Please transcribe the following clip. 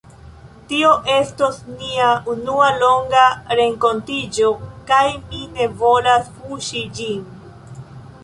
Tio estos nia unua longa renkontiĝo, kaj mi ne volas fuŝi ĝin.